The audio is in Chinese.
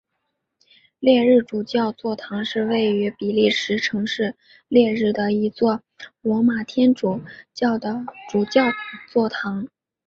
列日主教座堂是位于比利时城市列日的一座罗马天主教的主教座堂。